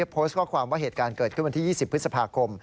โพสต์ข้อความว่าเหตุการณ์เกิดขึ้นวันที่๒๐พฤษภาคม